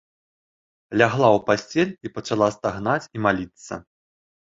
Лягла ў пасцель і пачала стагнаць і маліцца.